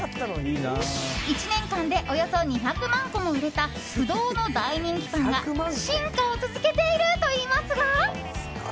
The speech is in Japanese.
１年間でおよそ２００万個も売れた不動の大人気パンが進化を続けているといいますが。